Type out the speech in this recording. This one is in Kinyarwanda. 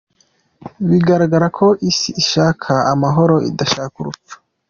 Bigaragaza ko Isi ishaka amahoro, idashaka urupfu.